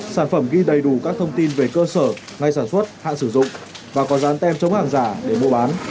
sản phẩm ghi đầy đủ các thông tin về cơ sở ngay sản xuất hạn sử dụng và có dán tem chống hàng giả để mua bán